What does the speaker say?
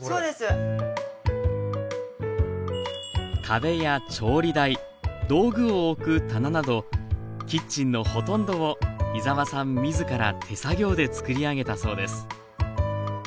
壁や調理台道具を置く棚などキッチンのほとんどを井澤さん自ら手作業でつくり上げたそうです。